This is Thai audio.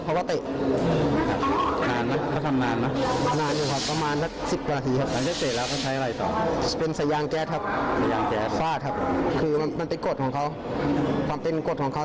เพราะว่ามันเป็นกฎของเขาความเป็นกฎของเขา